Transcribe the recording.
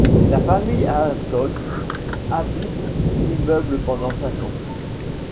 La famille Aalto habite l'immeuble pendant cinq ans.